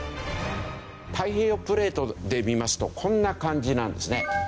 太平洋プレートで見ますとこんな感じなんですね。